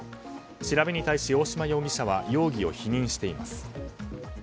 調べに対し大島容疑者は容疑を否認しています。